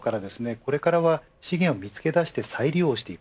これからは資源を見つけ出して再利用していく。